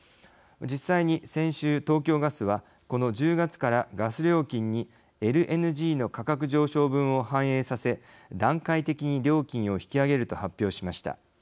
実際に先週、東京ガスはこの１０月からガス料金にＬＮＧの価格上昇分を反映させ段階的に料金を引き上げると発表しました。